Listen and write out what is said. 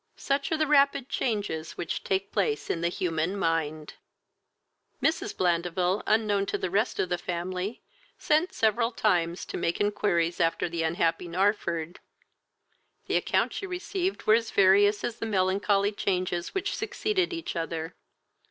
Such are the rapid changes which take place in the human mind. Mrs. Blandeville, unknown to the rest of the family, sent several times to make inquiries after the unhappy Narford. The accounts she received were as various as the melancholy changes which succeeded each other.